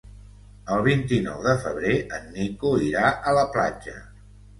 El vint-i-nou de febrer en Nico irà a la platja.